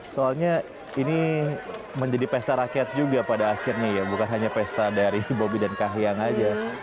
soalnya ini menjadi pesta rakyat juga pada akhirnya ya bukan hanya pesta dari bobi dan kahiyang aja